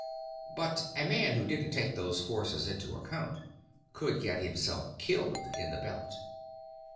But a man who didn't take those forces into account could get himself killed in the Belt.